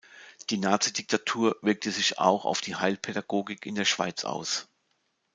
Die Nazi-Diktatur wirkte sich auch auf die Heilpädagogik in der Schweiz aus.